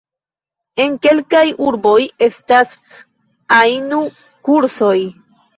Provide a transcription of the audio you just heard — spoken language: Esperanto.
En kelkaj urboj estas ainu-kursoj.